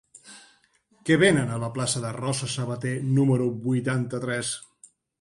Què venen a la plaça de Rosa Sabater número vuitanta-tres?